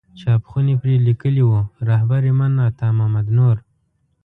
چاپ خونې پرې لیکلي وو رهبر من عطا محمد نور.